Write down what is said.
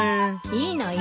いいのよ。